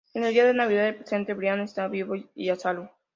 En el día de Navidad del presente, Brian está vivo y a salvo.